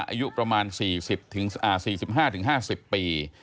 อายุประมาณ๔๕๕๐ปี